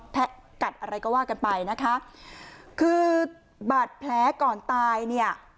กัดอะไรก็ว่ากันไปนะคะคือบาดแผลก่อนตายเนี่ย